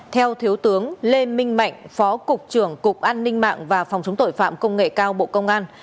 theo thiếu tướng lê minh mạnh phó cục trưởng cục an ninh mạng và phòng chống tội phạm công nghệ cao bộ công an